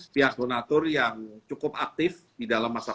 pihak donatur yang cukup aktif di dalam masa covid ini